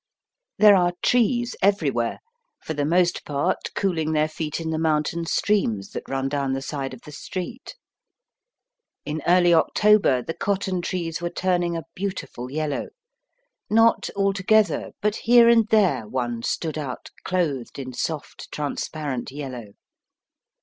' There are trees everywhere, for the most part cooHng their feet in the mountain streams that run down the side of the street. In early October the cotton trees were turning a beautiful yellow ; not altogether, but here and there one stood out clothed in soft, transparent yellow.